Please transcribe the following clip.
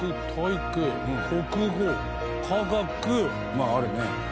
まああるね。